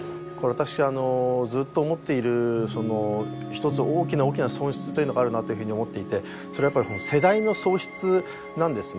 私あのずっと思っているその一つ大きな大きな損失というのがあるなというふうに思っていてそれはやっぱり世代の喪失なんですね